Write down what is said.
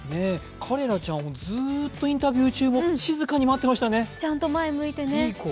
カレラちゃんはずっとインタビュー中も静かに待っていましたね、いい子。